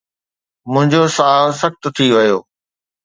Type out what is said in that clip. منهنجو ساهه سخت ٿي ويو